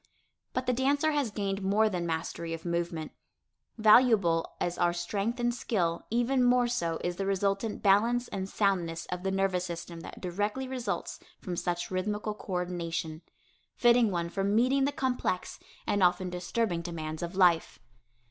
But the dancer has gained more than mastery of movement. Valuable as are strength and skill, even more so is the resultant balance and soundness of the nervous system that directly results from such rhythmical coördination, fitting one for meeting the complex and often disturbing demands of life.